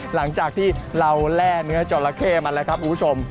หลังจากที่เราแร่เนื้อจอละเข้มาแล้วครับคุณผู้ชม